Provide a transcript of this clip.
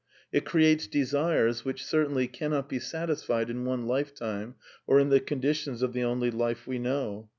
It creates desires which certainly cannot be satis fied in one life time, or in the conditions of the only life we know.